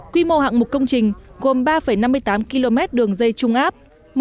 quy mô hạng mục công trình gồm ba năm mươi tám km đường dây trung áp